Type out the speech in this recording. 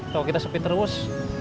kalo kita sepi terus